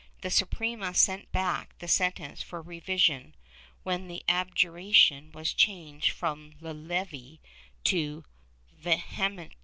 The Suprema sent back the sentence for revision, when the abjuration was changed from de levi to de vehementi.